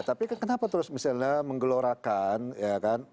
tapi kan kenapa terus misalnya menggelorakan ya kan